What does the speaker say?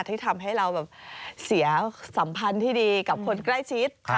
ที่ทำให้เราเสียสัมพันธ์ที่ดีกับคนใกล้ชิด